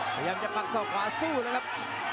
พยายามจะปักเท้ากลายสู้ละครับ